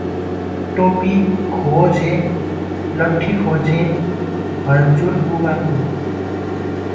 टोपी खोजेँ, लठ्ठी खोजेँ, हजुर्बुवाको ।